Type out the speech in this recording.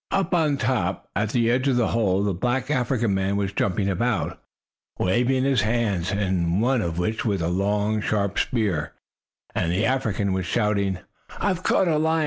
Up on top, at the edge of the hole, the black African man was jumping about, waving his hands, in one of which was a long, sharp spear, and the African was shouting: "I have caught a lion!